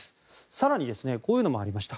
更に、こういうのもありました。